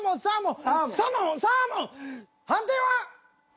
判定は？